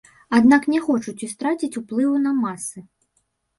Аднак не хочуць і страціць уплыву на масы.